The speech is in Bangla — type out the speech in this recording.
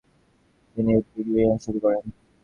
তিনি উদ্ভিদবিজ্ঞান বিষয়ে অধ্যয়ন শুরু করেন।